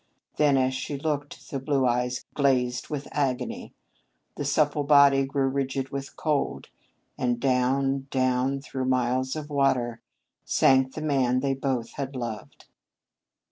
Then as she looked the blue eyes glazed with agony, the supple body grew rigid with cold, and down, down, through miles of water, sank the man they both had loved.